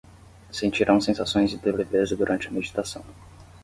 Sentirão sensações de leveza durante a meditação